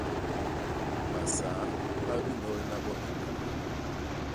Basaa ba binolna bo ni bo.